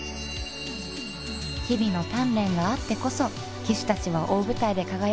日々の鍛錬があってこそ騎手たちは大舞台で輝けるんですね